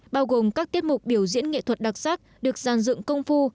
bao gồm các tiết mục biểu diễn nghệ thuật đặc sắc được dàn dựng công phu